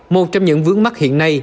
một trong những vướng mắt hiện nay